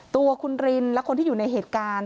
ตัวคุณรินและคนที่อยู่ในเหตุการณ์